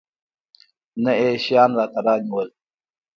نه يې شيان راته رانيول.